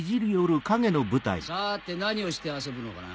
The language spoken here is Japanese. さて何をして遊ぶのかな？